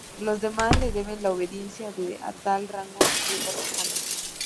Los demás le deben la obediencia que a tal rango le corresponde.